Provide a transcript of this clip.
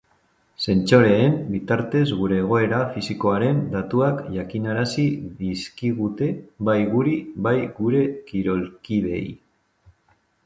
Sentsoreen bitartez gure egoera fisikoaren datuak jakinarazi dizkigute bai guri bai gure kirolkideei.